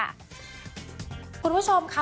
คุณผู้ชมค่ะ